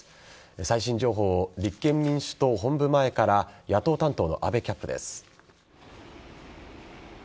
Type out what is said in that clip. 最新情報を立憲民主党本部前から野党担当の阿部キャップです。